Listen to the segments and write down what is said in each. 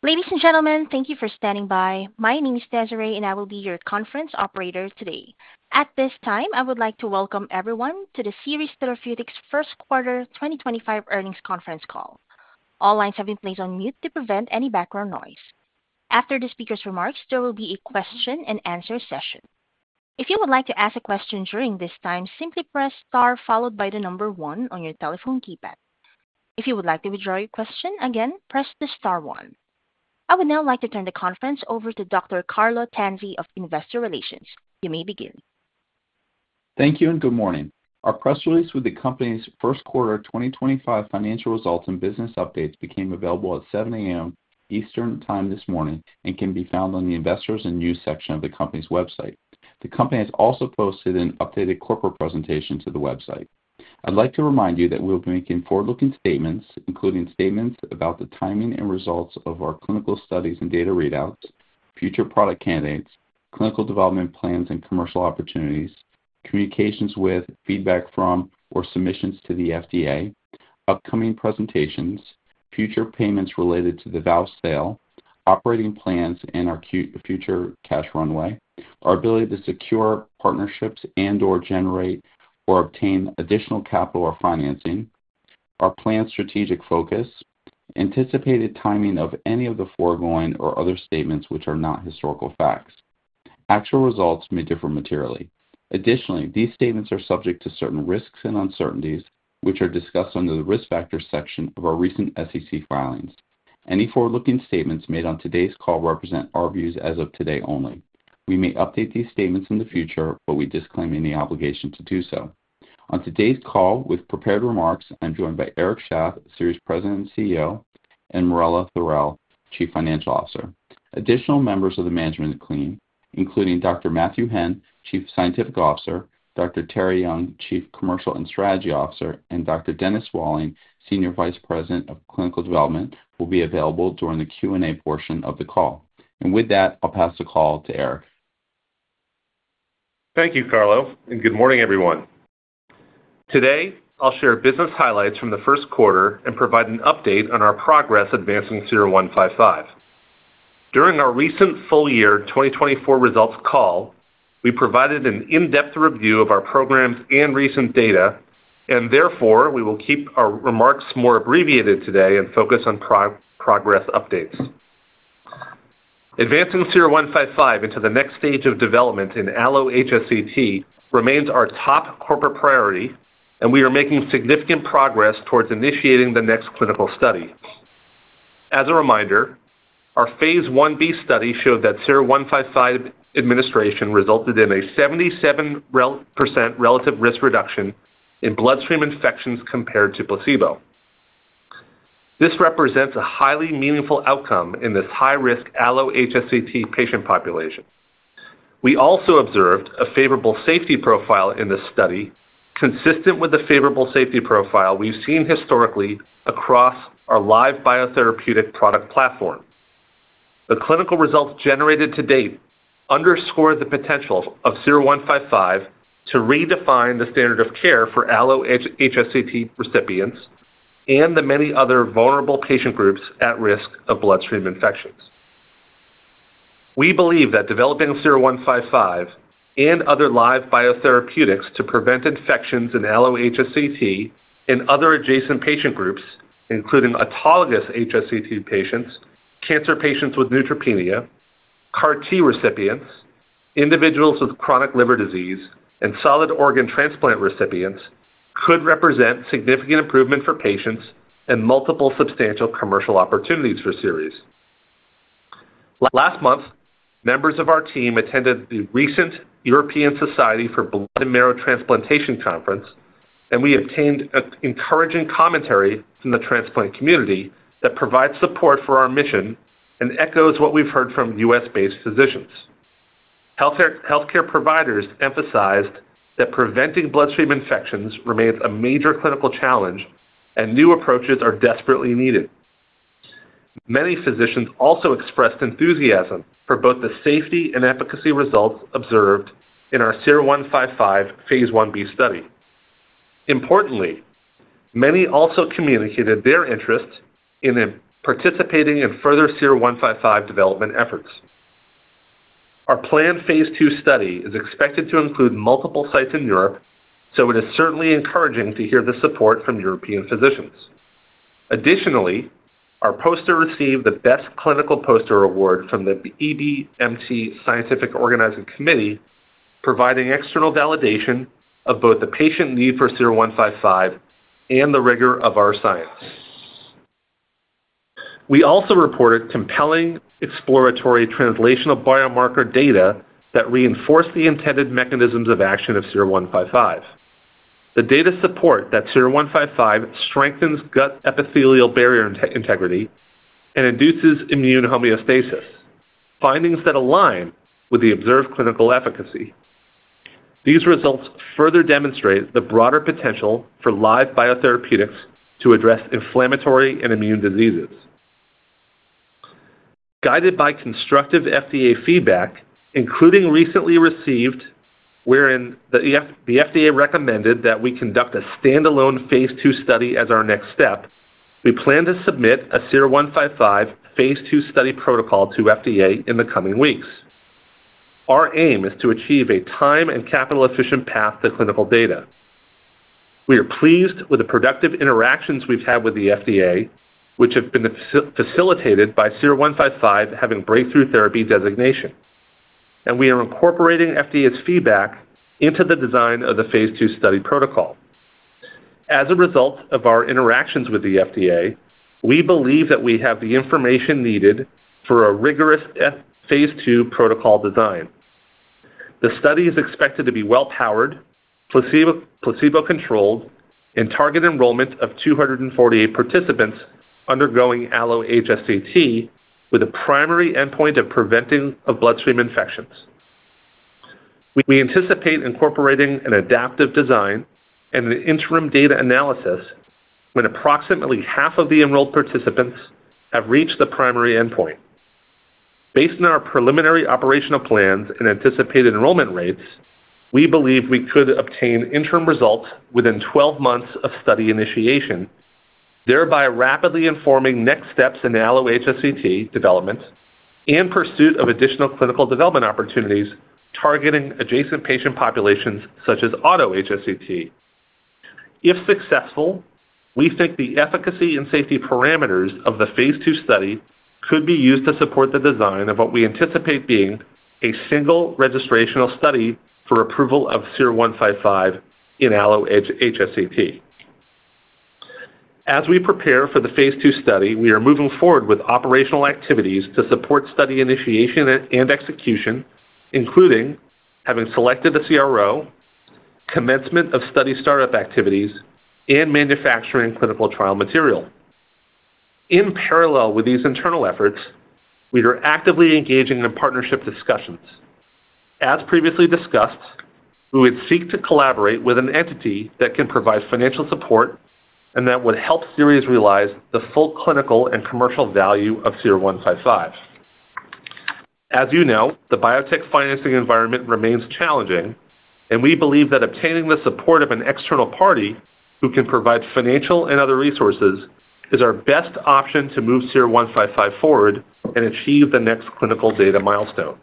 Ladies and gentlemen, thank you for standing by. My name is Desiree, and I will be your conference operator today. At this time, I would like to welcome everyone to the Seres Therapeutics First Quarter 2025 Earnings Conference Call. All lines have been placed on mute to prevent any background noise. After the speaker's remarks, there will be a question-and-answer session. If you would like to ask a question during this time, simply press star followed by the number one on your telephone keypad. If you would like to withdraw your question again, press the star one. I would now like to turn the conference over to Dr. Carlo Tanzi of Investor Relations. You may begin. Thank you and good morning. Our press release with the company's first quarter 2025 financial results and business updates became available at 7:00 A.M. Eastern Time this morning and can be found on the Investors and News section of the company's website. The company has also posted an updated corporate presentation to the website. I'd like to remind you that we will be making forward-looking statements, including statements about the timing and results of our clinical studies and data readouts, future product candidates, clinical development plans and commercial opportunities, communications with, feedback from, or submissions to the FDA, upcoming presentations, future payments related to the VOWST sale, operating plans and our future cash runway, our ability to secure partnerships and/or generate or obtain additional capital or financing, our planned strategic focus, anticipated timing of any of the foregoing or other statements which are not historical facts. Actual results may differ materially. Additionally, these statements are subject to certain risks and uncertainties which are discussed under the risk factors section of our recent SEC filings. Any forward-looking statements made on today's call represent our views as of today only. We may update these statements in the future, but we disclaim any obligation to do so. On today's call, with prepared remarks, I'm joined by Eric Shaff, Seres President and CEO, and Marella Thorell, Chief Financial Officer. Additional members of the management team, including Dr. Matthew Henn, Chief Scientific Officer, Dr. Terri Young, Chief Commercial and Strategy Officer, and Dr. Dennis Walling, Senior Vice President of Clinical Development, will be available during the Q&A portion of the call. With that, I'll pass the call to Eric. Thank you, Carlo, and good morning, everyone. Today, I'll share business highlights from the first quarter and provide an update on our progress advancing 0155. During our recent full year 2024 results call, we provided an in-depth review of our programs and recent data, and therefore we will keep our remarks more abbreviated today and focus on progress updates. Advancing 0155 into the next stage of development in allo-HSCT remains our top corporate priority, and we are making significant progress towards initiating the next clinical study. As a reminder, our phase I-B study showed that 0155 administration resulted in a 77% relative risk reduction in bloodstream infections compared to placebo. This represents a highly meaningful outcome in this high-risk allo-HSCT patient population. We also observed a favorable safety profile in this study consistent with the favorable safety profile we've seen historically across our live biotherapeutic product platform. The clinical results generated to date underscore the potential of SER-155 to redefine the standard of care for allo-HSCT recipients and the many other vulnerable patient groups at risk of bloodstream infections. We believe that developing SER-155 and other live biotherapeutics to prevent infections in allo-HSCT and other adjacent patient groups, including autologous HSCT patients, cancer patients with neutropenia, CAR-T recipients, individuals with chronic liver disease, and solid organ transplant recipients could represent significant improvement for patients and multiple substantial commercial opportunities for Seres. Last month, members of our team attended the recent European Society for Blood and Marrow Transplantation Conference, and we obtained encouraging commentary from the transplant community that provides support for our mission and echoes what we've heard from U.S.-based physicians. Healthcare providers emphasized that preventing bloodstream infections remains a major clinical challenge, and new approaches are desperately needed. Many physicians also expressed enthusiasm for both the safety and efficacy results observed in our SER-155 phase I-B study. Importantly, many also communicated their interest in participating in further SER-155 development efforts. Our planned phase II study is expected to include multiple sites in Europe, so it is certainly encouraging to hear the support from European physicians. Additionally, our poster received the Best Clinical Poster Award from the EBMT Scientific Organizing Committee, providing external validation of both the patient need for SER-155 and the rigor of our science. We also reported compelling exploratory translational biomarker data that reinforced the intended mechanisms of action of SER-155. The data support that SER-155 strengthens gut epithelial barrier integrity and induces immune homeostasis, findings that align with the observed clinical efficacy. These results further demonstrate the broader potential for live biotherapeutics to address inflammatory and immune diseases. Guided by constructive FDA feedback, including recently received wherein the FDA recommended that we conduct a standalone phase II study as our next step, we plan to submit a SER-155 phase II study protocol to FDA in the coming weeks. Our aim is to achieve a time and capital-efficient path to clinical data. We are pleased with the productive interactions we've had with the FDA, which have been facilitated by SER-155 having breakthrough therapy designation, and we are incorporating FDA's feedback into the design of the phase II study protocol. As a result of our interactions with the FDA, we believe that we have the information needed for a rigorous phase II protocol design. The study is expected to be well-powered, placebo-controlled, and target enrollment of 248 participants undergoing allo-HSCT with a primary endpoint of preventing bloodstream infections. We anticipate incorporating an adaptive design and an interim data analysis when approximately half of the enrolled participants have reached the primary endpoint. Based on our preliminary operational plans and anticipated enrollment rates, we believe we could obtain interim results within 12 months of study initiation, thereby rapidly informing next steps in allo-HSCT development and pursuit of additional clinical development opportunities targeting adjacent patient populations such as auto HSCT. If successful, we think the efficacy and safety parameters of the phase II study could be used to support the design of what we anticipate being a single registrational study for approval of SER-155 in allo-HSCT. As we prepare for the phase II study, we are moving forward with operational activities to support study initiation and execution, including having selected a CRO, commencement of study startup activities, and manufacturing clinical trial material. In parallel with these internal efforts, we are actively engaging in partnership discussions. As previously discussed, we would seek to collaborate with an entity that can provide financial support and that would help Seres realize the full clinical and commercial value of 0155. As you know, the biotech financing environment remains challenging, and we believe that obtaining the support of an external party who can provide financial and other resources is our best option to move 0155 forward and achieve the next clinical data milestone.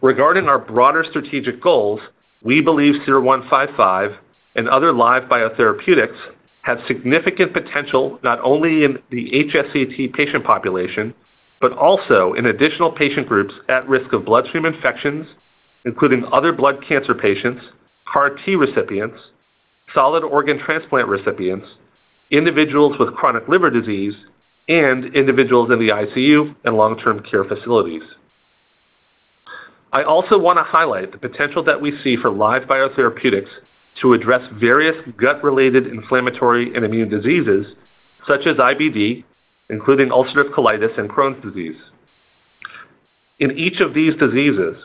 Regarding our broader strategic goals, we believe 0155 and other live biotherapeutics have significant potential not only in the HSCT patient population but also in additional patient groups at risk of bloodstream infections, including other blood cancer patients, CAR-T recipients, solid organ transplant recipients, individuals with chronic liver disease, and individuals in the ICU and long-term care facilities. I also want to highlight the potential that we see for live biotherapeutics to address various gut-related inflammatory and immune diseases such as IBD, including ulcerative colitis and Crohn's disease. In each of these diseases,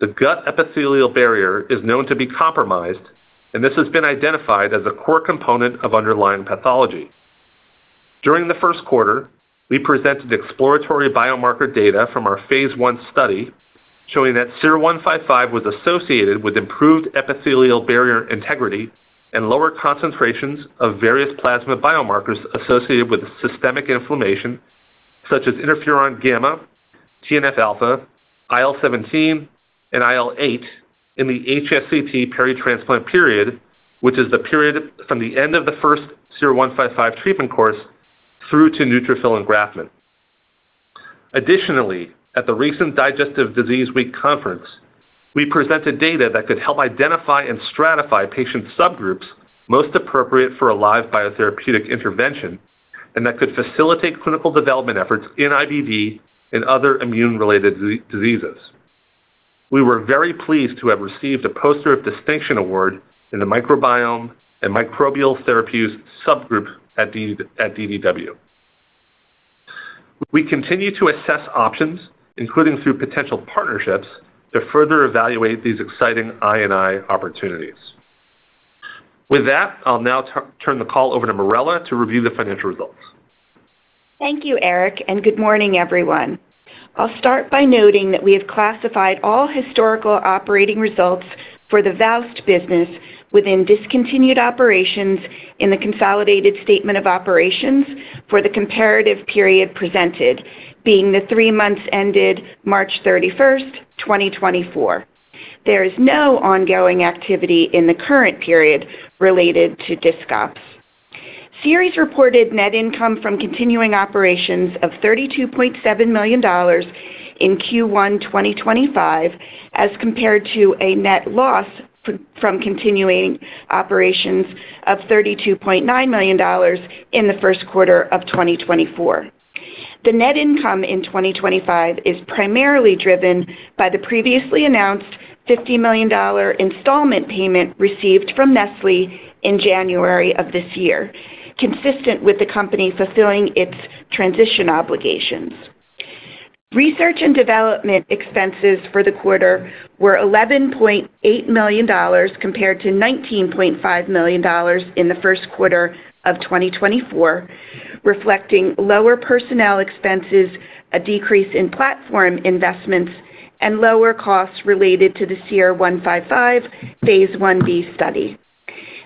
the gut epithelial barrier is known to be compromised, and this has been identified as a core component of underlying pathology. During the first quarter, we presented exploratory biomarker data from our phase I study showing that 0155 was associated with improved epithelial barrier integrity and lower concentrations of various plasma biomarkers associated with systemic inflammation such as interferon gamma, TNF-alpha, IL-17, and IL-8 in the HSCT peritransplant period, which is the period from the end of the first 0155 treatment course through to neutrophil engraftment. Additionally, at the recent Digestive Disease Week conference, we presented data that could help identify and stratify patient subgroups most appropriate for a live biotherapeutic intervention and that could facilitate clinical development efforts in IBD and other immune-related diseases. We were very pleased to have received a Poster of Distinction Award in the microbiome and microbial therapies subgroup at DDW. We continue to assess options, including through potential partnerships, to further evaluate these exciting I&I opportunities. With that, I'll now turn the call over to Marella to review the financial results. Thank you, Eric, and good morning, everyone. I'll start by noting that we have classified all historical operating results for the VOWST business within discontinued operations in the consolidated statement of operations for the comparative period presented, being the three months ended March 31, 2024. There is no ongoing activity in the current period related to discontinued operations. Seres reported net income from continuing operations of $32.7 million in Q1 2025, as compared to a net loss from continuing operations of $32.9 million in the first quarter of 2024. The net income in 2025 is primarily driven by the previously announced $50 million installment payment received from Nestlé in January of this year, consistent with the company fulfilling its transition obligations. Research and development expenses for the quarter were $11.8 million compared to $19.5 million in the first quarter of 2024, reflecting lower personnel expenses, a decrease in platform investments, and lower costs related to the SER-155 phase I-B study.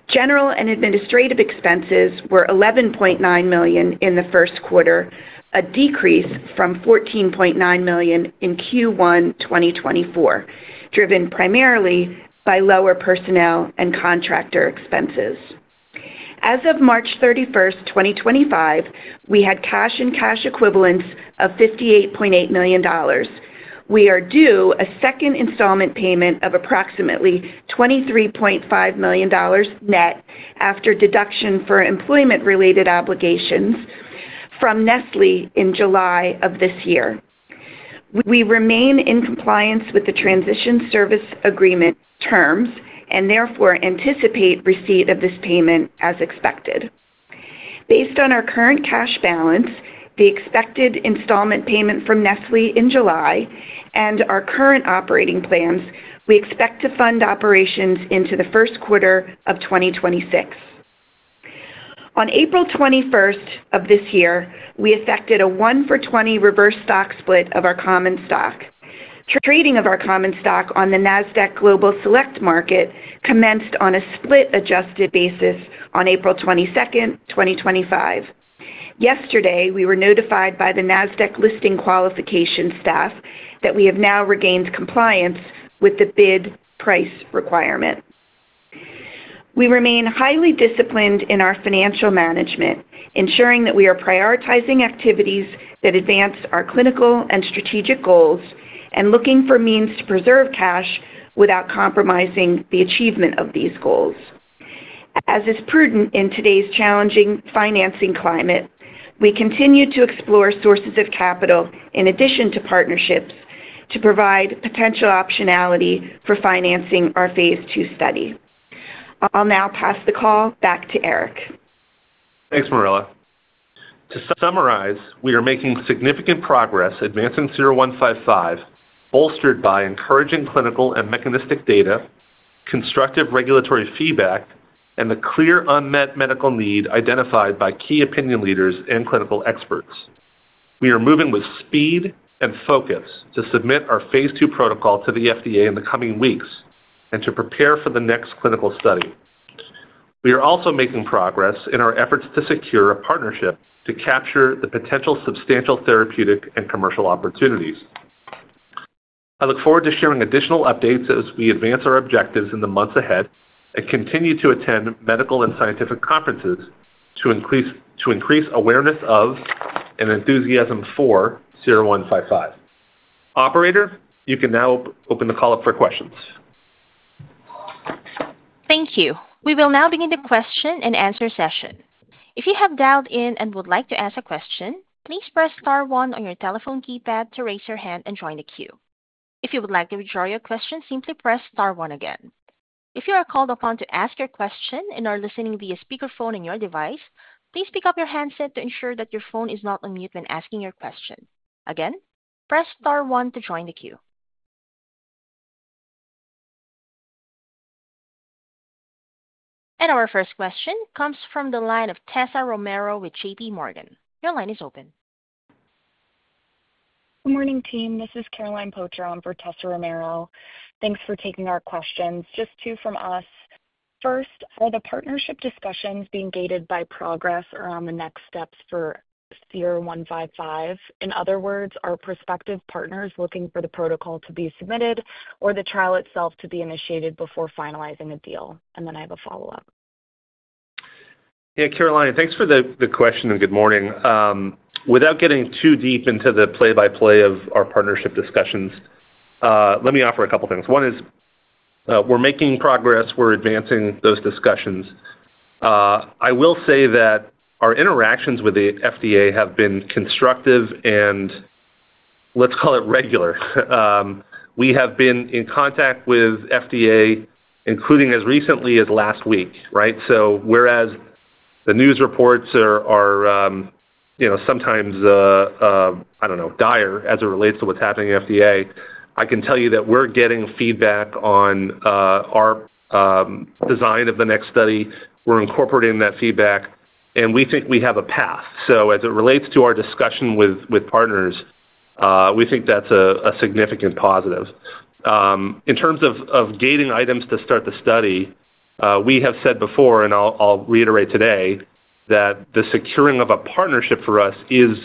General and administrative expenses were $11.9 million in the first quarter, a decrease from $14.9 million in Q1 2024, driven primarily by lower personnel and contractor expenses. As of March 31, 2025, we had cash and cash equivalents of $58.8 million. We are due a second installment payment of approximately $23.5 million net after deduction for employment-related obligations from Nestlé in July of this year. We remain in compliance with the transition service agreement terms and therefore anticipate receipt of this payment as expected. Based on our current cash balance, the expected installment payment from Nestlé in July, and our current operating plans, we expect to fund operations into the first quarter of 2026. On April 21st of this year, we effected a 1-for-20 reverse stock split of our common stock. Trading of our common stock on the NASDAQ Global Select Market commenced on a split-adjusted basis on April 22nd, 2025. Yesterday, we were notified by the NASDAQ listing qualification staff that we have now regained compliance with the bid-price requirement. We remain highly disciplined in our financial management, ensuring that we are prioritizing activities that advance our clinical and strategic goals and looking for means to preserve cash without compromising the achievement of these goals. As is prudent in today's challenging financing climate, we continue to explore sources of capital in addition to partnerships to provide potential optionality for financing our phase II study. I'll now pass the call back to Eric. Thanks, Marella. To summarize, we are making significant progress advancing 0155, bolstered by encouraging clinical and mechanistic data, constructive regulatory feedback, and the clear unmet medical need identified by key opinion leaders and clinical experts. We are moving with speed and focus to submit our phase II protocol to the FDA in the coming weeks and to prepare for the next clinical study. We are also making progress in our efforts to secure a partnership to capture the potential substantial therapeutic and commercial opportunities. I look forward to sharing additional updates as we advance our objectives in the months ahead and continue to attend medical and scientific conferences to increase awareness of and enthusiasm for 0155. Operator, you can now open the call up for questions. Thank you. We will now begin the question and answer session. If you have dialed in and would like to ask a question, please press star one on your telephone keypad to raise your hand and join the queue. If you would like to withdraw your question, simply press star one again. If you are called upon to ask your question and are listening via speakerphone on your device, please pick up your handset to ensure that your phone is not on mute when asking your question. Again, press star one to join the queue. Our first question comes from the line of Tessa Romero with JP Morgan. Your line is open. Good morning, team. This is Caroline Pocher on for Tessa Romero. Thanks for taking our questions. Just two from us. First, are the partnership discussions being gated by progress around the next steps for SER-155? In other words, are prospective partners looking for the protocol to be submitted or the trial itself to be initiated before finalizing a deal? I have a follow-up. Yeah, Caroline, thanks for the question and good morning. Without getting too deep into the play-by-play of our partnership discussions, let me offer a couple of things. One is we're making progress. We're advancing those discussions. I will say that our interactions with the FDA have been constructive and, let's call it, regular. We have been in contact with FDA, including as recently as last week, right? Whereas the news reports are sometimes, I don't know, dire as it relates to what's happening at FDA, I can tell you that we're getting feedback on our design of the next study. We're incorporating that feedback, and we think we have a path. As it relates to our discussion with partners, we think that's a significant positive. In terms of gating items to start the study, we have said before, and I'll reiterate today, that the securing of a partnership for us is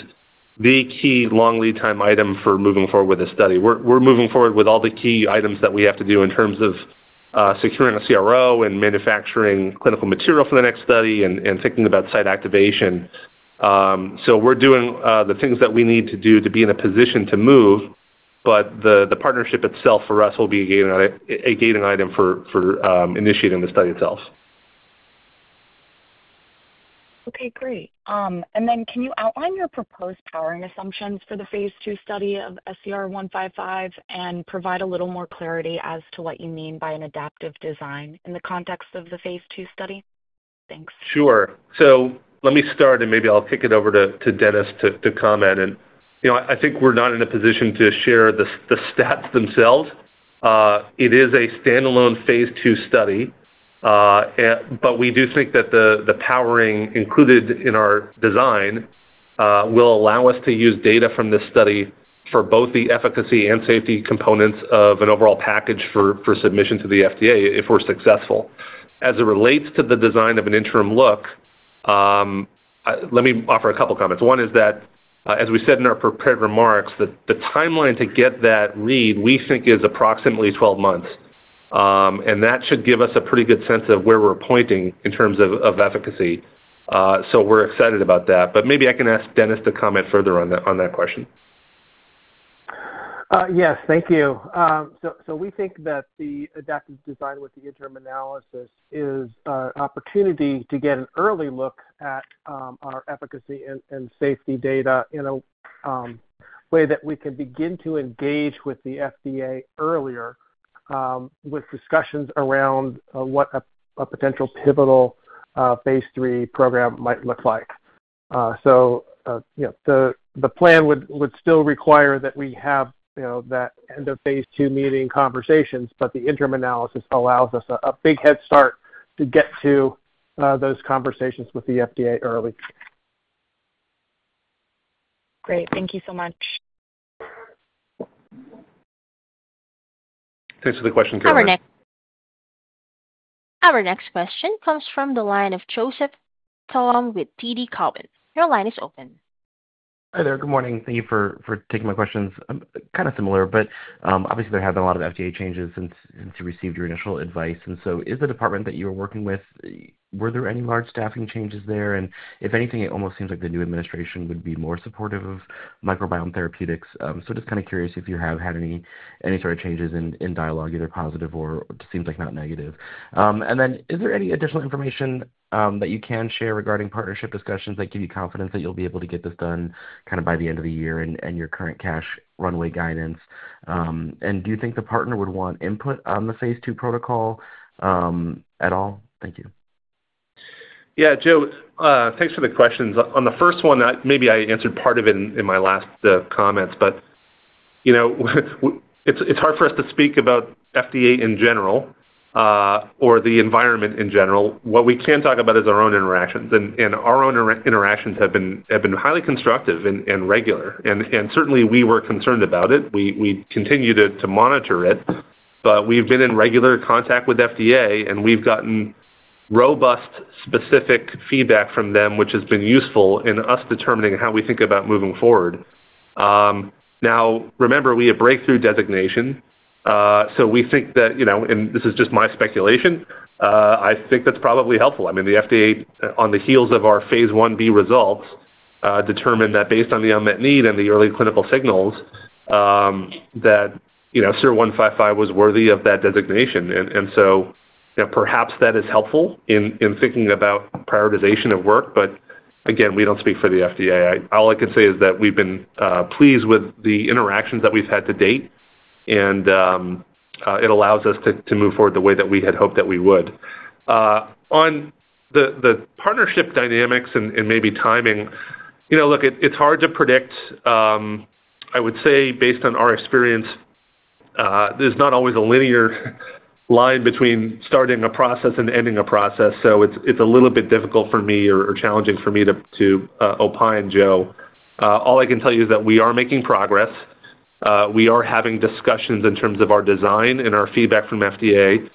the key long lead time item for moving forward with this study. We're moving forward with all the key items that we have to do in terms of securing a CRO and manufacturing clinical material for the next study and thinking about site activation. We're doing the things that we need to do to be in a position to move, but the partnership itself for us will be a gating item for initiating the study itself. Okay, great. Can you outline your proposed powering assumptions for the phase II study of SER-155 and provide a little more clarity as to what you mean by an adaptive design in the context of the phase II study? Thanks. Sure. Let me start, and maybe I'll kick it over to Dennis to comment. I think we're not in a position to share the stats themselves. It is a standalone phase II study, but we do think that the powering included in our design will allow us to use data from this study for both the efficacy and safety components of an overall package for submission to the FDA if we're successful. As it relates to the design of an interim look, let me offer a couple of comments. One is that, as we said in our prepared remarks, the timeline to get that lead, we think, is approximately 12 months. That should give us a pretty good sense of where we're pointing in terms of efficacy. We're excited about that. Maybe I can ask Dennis to comment further on that question. Yes, thank you. We think that the adaptive design with the interim analysis is an opportunity to get an early look at our efficacy and safety data in a way that we can begin to engage with the FDA earlier with discussions around what a potential pivotal phase III program might look like. The plan would still require that we have that end of phase II meeting conversations, but the interim analysis allows us a big head start to get to those conversations with the FDA early. Great. Thank you so much. Thanks for the question, Caroline. Our next question comes from the line of Joseph Thome with TD Cowen. Your line is open. Hi there. Good morning. Thank you for taking my questions. Kind of similar, but obviously, there have been a lot of FDA changes since you received your initial advice. Is the department that you are working with, were there any large staffing changes there? If anything, it almost seems like the new administration would be more supportive of microbiome therapeutics. Just kind of curious if you have had any sort of changes in dialogue, either positive or it seems like not negative. Is there any additional information that you can share regarding partnership discussions that give you confidence that you'll be able to get this done kind of by the end of the year and your current cash runway guidance? Do you think the partner would want input on the phase II protocol at all? Thank you. Yeah, Joe, thanks for the questions. On the first one, maybe I answered part of it in my last comments, but it's hard for us to speak about FDA in general or the environment in general. What we can talk about is our own interactions. And our own interactions have been highly constructive and regular. Certainly, we were concerned about it. We continue to monitor it. We've been in regular contact with FDA, and we've gotten robust, specific feedback from them, which has been useful in us determining how we think about moving forward. Now, remember, we have breakthrough designation. We think that, and this is just my speculation, I think that's probably helpful. I mean, the FDA, on the heels of our phase I-B results, determined that based on the unmet need and the early clinical signals, that SER-155 was worthy of that designation. Perhaps that is helpful in thinking about prioritization of work. Again, we do not speak for the FDA. All I can say is that we have been pleased with the interactions that we have had to date, and it allows us to move forward the way that we had hoped that we would. On the partnership dynamics and maybe timing, look, it is hard to predict. I would say, based on our experience, there is not always a linear line between starting a process and ending a process. It is a little bit difficult for me or challenging for me to opine, Joe. All I can tell you is that we are making progress. We are having discussions in terms of our design and our feedback from FDA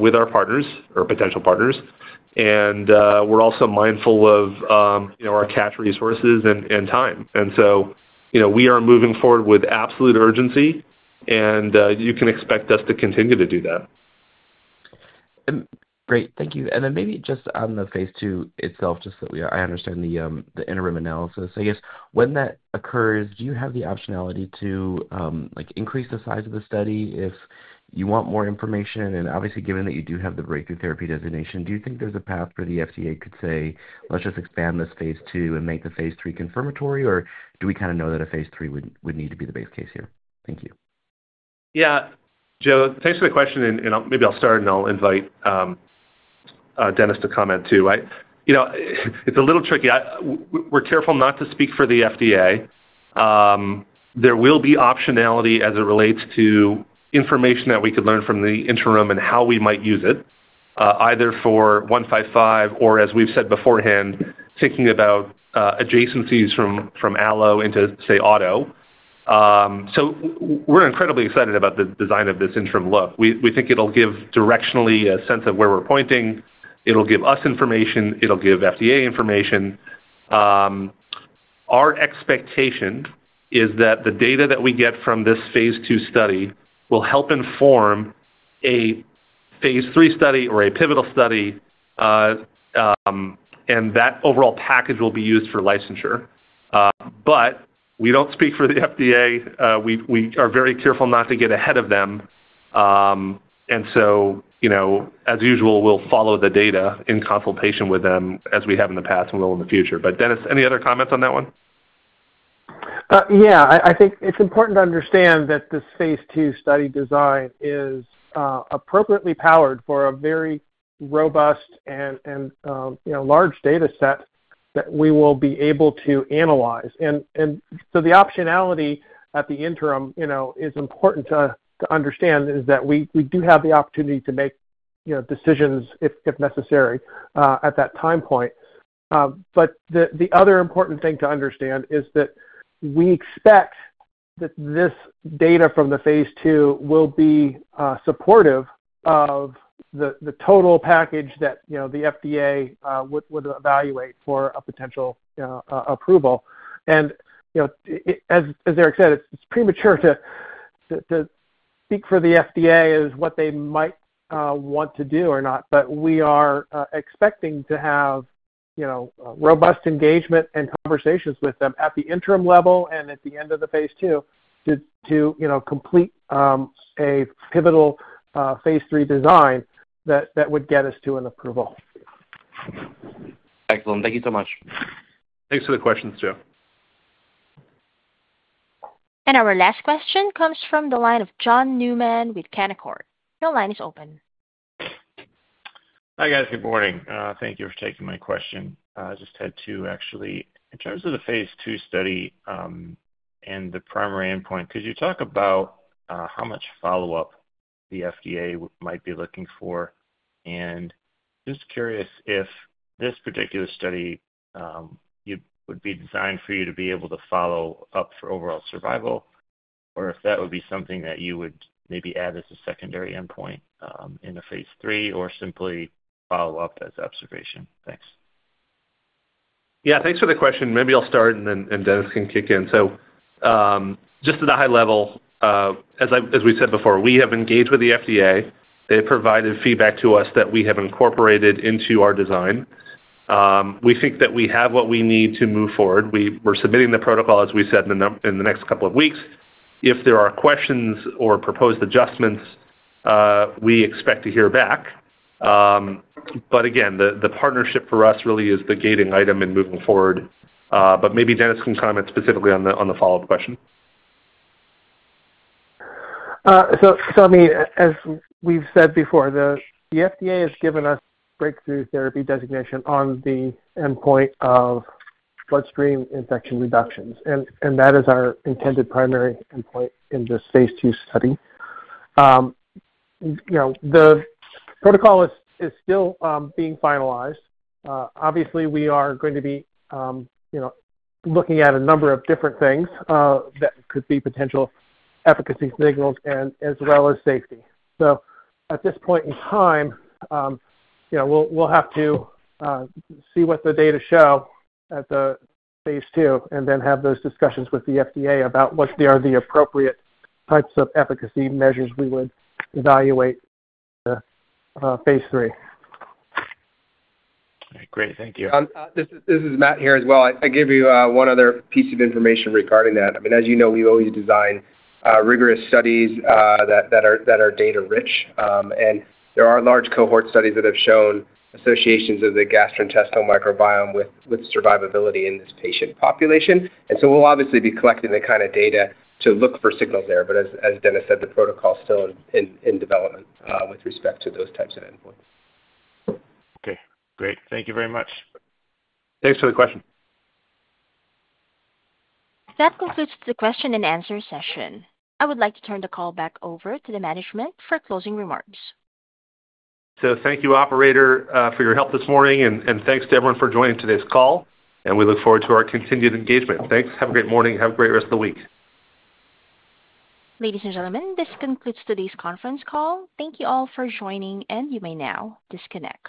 with our partners or potential partners. We are also mindful of our cash resources and time. We are moving forward with absolute urgency, and you can expect us to continue to do that. Great. Thank you. Maybe just on the phase II itself, just so I understand the interim analysis. I guess when that occurs, do you have the optionality to increase the size of the study if you want more information? Obviously, given that you do have the breakthrough therapy designation, do you think there is a path where the FDA could say, "Let's just expand this phase II and make the phase III confirmatory," or do we kind of know that a phase III would need to be the base case here? Thank you. Yeah, Joe, thanks for the question. Maybe I'll start, and I'll invite Dennis to comment too. It's a little tricky. We're careful not to speak for the FDA. There will be optionality as it relates to information that we could learn from the interim and how we might use it, either for 155 or, as we've said beforehand, thinking about adjacencies from allo into, say, auto. We're incredibly excited about the design of this interim look. We think it'll give directionally a sense of where we're pointing. It'll give us information. It'll give FDA information. Our expectation is that the data that we get from this phase II study will help inform a phase III study or a pivotal study, and that overall package will be used for licensure. We don't speak for the FDA. We are very careful not to get ahead of them. As usual, we'll follow the data in consultation with them as we have in the past and will in the future. Dennis, any other comments on that one? Yeah. I think it's important to understand that this phase II study design is appropriately powered for a very robust and large data set that we will be able to analyze. The optionality at the interim is important to understand is that we do have the opportunity to make decisions if necessary at that time point. The other important thing to understand is that we expect that this data from the phase II will be supportive of the total package that the FDA would evaluate for a potential approval. As Eric said, it's premature to speak for the FDA as what they might want to do or not. We are expecting to have robust engagement and conversations with them at the interim level and at the end of the phase II to complete a pivotal phase III design that would get us to an approval. Excellent. Thank you so much. Thanks for the questions, Joe. Our last question comes from the line of John Newman with Canaccord. Your line is open. Hi, guys. Good morning. Thank you for taking my question. I just had to actually, in terms of the phase II study and the primary endpoint, could you talk about how much follow-up the FDA might be looking for? Just curious if this particular study would be designed for you to be able to follow up for overall survival or if that would be something that you would maybe add as a secondary endpoint in the phase III or simply follow up as observation? Thanks. Yeah, thanks for the question. Maybe I'll start, and then Dennis can kick in. Just at a high level, as we said before, we have engaged with the FDA. They have provided feedback to us that we have incorporated into our design. We think that we have what we need to move forward. We're submitting the protocol, as we said, in the next couple of weeks. If there are questions or proposed adjustments, we expect to hear back. Again, the partnership for us really is the gating item in moving forward. Maybe Dennis can comment specifically on the follow-up question. I mean, as we've said before, the FDA has given us Breakthrough Therapy Designation on the endpoint of bloodstream infection reductions. That is our intended primary endpoint in this phase II study. The protocol is still being finalized. Obviously, we are going to be looking at a number of different things that could be potential efficacy signals as well as safety. At this point in time, we'll have to see what the data show at the phase II and then have those discussions with the FDA about what are the appropriate types of efficacy measures we would evaluate for the phase III. All right. Great. Thank you. This is Matt here as well. I gave you one other piece of information regarding that. I mean, as you know, we always design rigorous studies that are data-rich. There are large cohort studies that have shown associations of the gastrointestinal microbiome with survivability in this patient population. We will obviously be collecting the kind of data to look for signals there. As Dennis said, the protocol is still in development with respect to those types of endpoints. Okay. Great. Thank you very much. Thanks for the question. That concludes the question and answer session. I would like to turn the call back over to the management for closing remarks. Thank you, operator, for your help this morning. And thanks to everyone for joining today's call. We look forward to our continued engagement. Thanks. Have a great morning. Have a great rest of the week. Ladies and gentlemen, this concludes today's conference call. Thank you all for joining, and you may now disconnect.